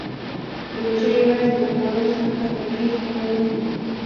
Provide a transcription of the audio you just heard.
روژه یوازې د خوړو څخه پرهیز کول نه دی .